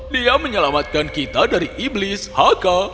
dia menyelamatkan kita dari iblis haka